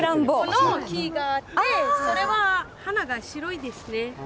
の、木があって、それは花が白いですね。